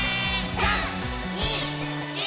３、２、１。